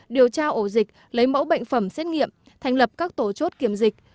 điều tra ổ dịch lấy mẫu bệnh phẩm xét nghiệm thành lập các tổ chốt kiểm dịch